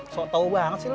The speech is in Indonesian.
sok tau banget sih lo